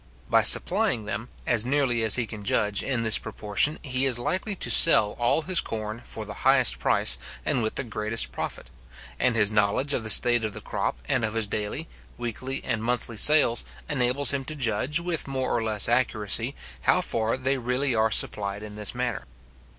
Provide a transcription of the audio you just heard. By supplying them, as nearly as he can judge, in this proportion, he is likely to sell all his corn for the highest price, and with the greatest profit; and his knowledge of the state of the crop, and of his daily, weekly, and monthly sales, enables him to judge, with more or less accuracy, how far they really are supplied in this manner.